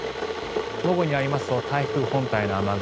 午後になりますと台風本体の雨雲